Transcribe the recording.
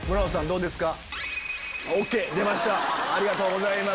どうですか？